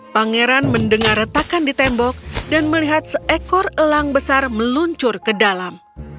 pangeran mendengar retakan di tembok dan melihat seekor elang besar meluncur ke dalam